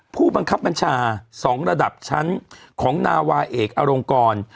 ผู้บังคับบัญชา๒ระดับชั้นของนาวาเอกอลงกร